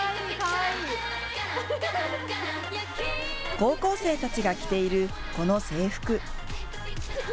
高校生たちが着ているこの制服。